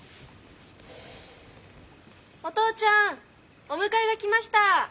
・お父ちゃんお迎えが来ました！